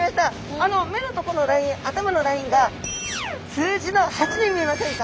あの目の所のライン頭のラインが数字の「八」に見えませんか？